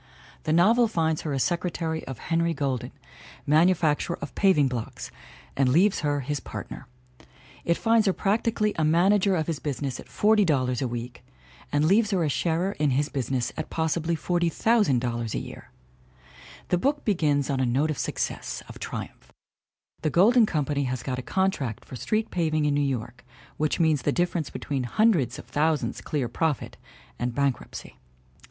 The novel finds her a secretary of Henry Golden, manufacturer of paving blocks, and leaves her his partner. It finds her practically a manager of his busi ness at $40 a week and leaves her a sharer in his business at possibly $40,000 a year. The book begins on a note of success, of triumph ; the Golden Company has got' a contract for street paving in New York which means the difference between hundreds of thou sands clear profit and bankruptcy.